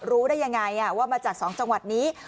รู้ได้ยังไงว่ามาจาก๒จังหวัดนี้